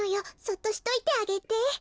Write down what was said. そっとしといてあげて。